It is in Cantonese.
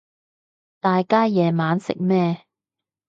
大家夜晚食咩